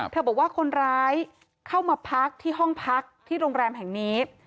บอกว่าคนร้ายเข้ามาพักที่ห้องพักที่โรงแรมแห่งนี้